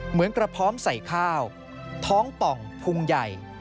เหมือนกระพร้อมใส่ข้าวท้องป่องพุงใหญ่